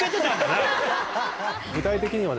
具体的には。